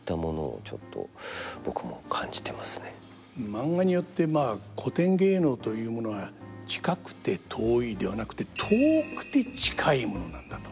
マンガによってまあ古典芸能というものは近くて遠いではなくて遠くて近いものなんだと。